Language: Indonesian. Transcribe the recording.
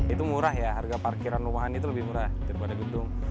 itu murah ya harga parkiran rumahan itu lebih murah daripada gedung